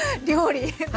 料理。